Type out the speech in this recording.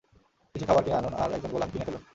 কিছু খাবার কিনে আনুন আর একজন গোলাম কিনে ফেলুন।